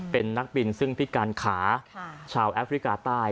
เป็นนักบินซึ่งพิการขาชาวแอฟริกาใต้